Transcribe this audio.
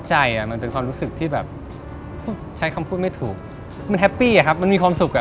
ส่วนเพชรก็เหมือนเดิมใช่ไหมครับ